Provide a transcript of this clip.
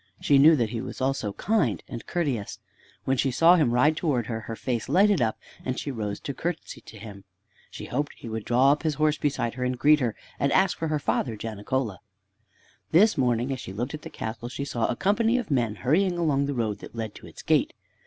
She knew that he was kind also, and courteous. When she saw him ride towards her, her face lighted up, and she rose to courtesy to him. She hoped he would draw up his horse beside her, and greet her, and ask for her father Janicola. This morning, as she looked at the castle, she saw a company of men hurrying along the road that led to its gate.